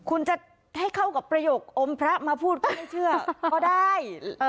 คุณจะให้เข้ากับประโยคอมพระมาพูดก็ไม่เชื่อก็ได้